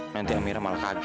nanti amirah malah kaget sedih